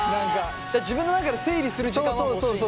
自分の中で整理する時間は欲しいんだ。